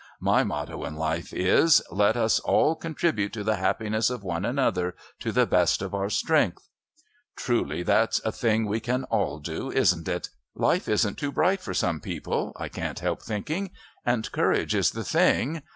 My motto in life is, 'Let us all contribute to the happiness of one another to the best of our strength.' "Truly, that's a thing we can all do, isn't it? Life isn't too bright for some people, I can't help thinking. And courage is the thing.